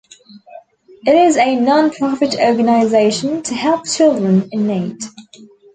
It is a non-profit organisation to help children in need.